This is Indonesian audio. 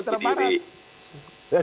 gubernur pks sumatera parat